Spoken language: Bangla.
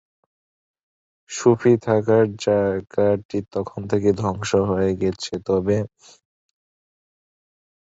সূফী থাকার জায়গাটি তখন থেকেই ধ্বংস হয়ে গেছে তবে।